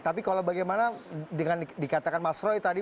tapi kalau bagaimana dengan dikatakan mas roy tadi